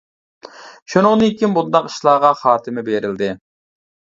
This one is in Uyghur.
شۇنىڭدىن كېيىن بۇنداق ئىشلارغا خاتىمە بېرىلدى.